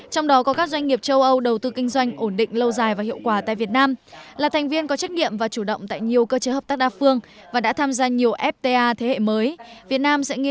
trong tiểu mục chuyện việt nam